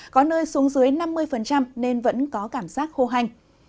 có nơi xuống dưới năm mươi nên vẫn có cảm giác khô hành